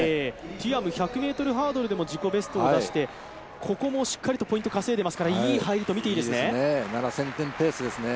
ティアム、１００ｍハードルでも自己ベストを出して、ここもしっかりポイントを稼いでいますから、いいペースですね。